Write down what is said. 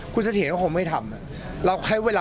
คุณเสถียรก็คงไม่ทำ